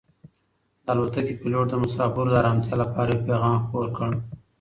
د الوتکې پېلوټ د مسافرو د ارامتیا لپاره یو پیغام خپور کړ.